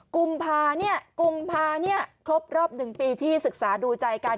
กุมภาพนี่ครบรอบหนึ่งปีที่ศึกษาดูใจกัน